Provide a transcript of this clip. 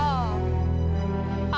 berikut captain week